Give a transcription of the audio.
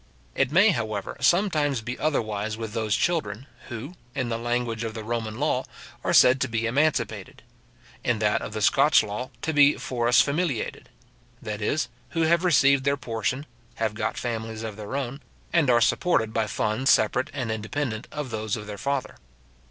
It may, however, sometimes be otherwise with those children, who, in the language of the Roman law, are said to be emancipated; in that of the Scotch law, to be foris familiated; that is, who have received their portion, have got families of their own, and are supported by funds separate and independent of those of their father.